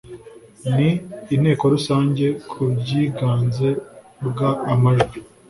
n inteko rusange ku bwiganze bwa amajwi